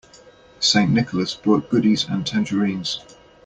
St. Nicholas brought goodies and tangerines.